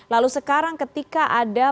lalu sekarang ketika ada